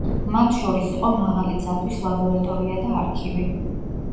მათ შორის იყო მაღალი ძაბვის ლაბორატორია და არქივი.